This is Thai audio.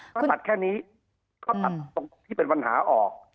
พระศัตริย์แค่นี้ก็ตัดตรงที่เป็นปัญหาออก